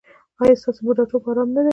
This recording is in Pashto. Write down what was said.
ایا ستاسو بوډاتوب ارام نه دی؟